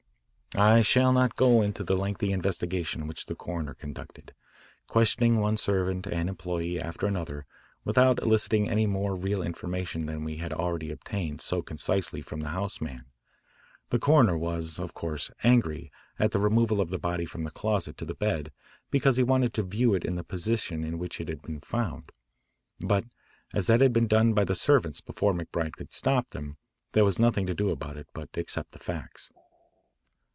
I shall not go into the lengthy investigation which the coroner conducted, questioning one servant and employee after another without eliciting any more real information than we had already obtained so concisely from the house man. The coroner was, of course, angry at the removal of the body from the closet to the bed because he wanted to view it in the position in which it had been found, but as that had been done by the servants before McBride could stop them, there was nothing to do about it but accept the facts.